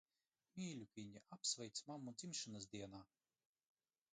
Mīļukiņi apsveic savu mammu dzimšanas dienā.